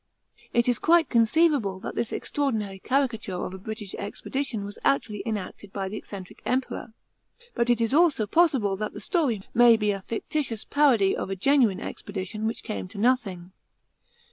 It is quite conceivable that this extraordinary caricature of a British expedition was actually enacted by the eccentric Emperor; but it is also possible that the story may be a fictitious parody of a genuine expedition which came to nothing.